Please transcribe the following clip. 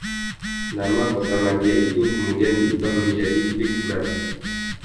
Nama kotamadya itu kemudian diubah menjadi Vikna.